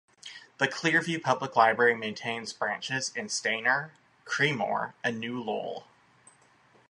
The Clearview Public Library maintains branches in Stayner, Creemore and New Lowell.